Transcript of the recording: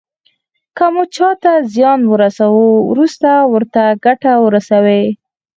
که مو چاته زیان ورساوه وروسته ورته ګټه ورسوئ.